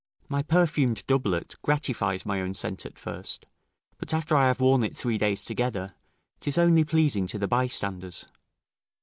My perfumed doublet gratifies my own scent at first; but after I have worn it three days together, 'tis only pleasing to the bystanders.